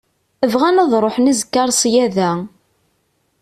Bɣan ad ṛuḥen azekka ar ṣṣyada.